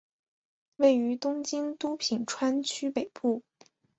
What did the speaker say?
位于东京都品川区北部。